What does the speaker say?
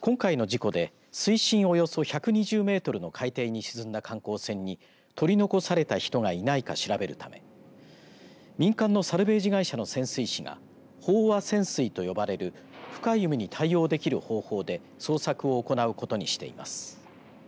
今回の事故で水深およそ１２０メートルの海底に沈んだ観光船に取り残された人がいないか調べるため民間のサルベージ会社の潜水士が飽和潜水と呼ばれる深い海に対応できる方法で捜索を行うことにしています。